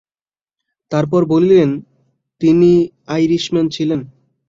তার পর বলিলেন, তিনি আইরিশম্যান ছিলেন।